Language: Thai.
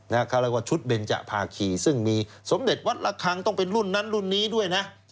เขาเรียกว่าชุดเบนจภาคีซึ่งมีสมเด็จวัดละคังต้องเป็นรุ่นนั้นรุ่นนี้ด้วยนะ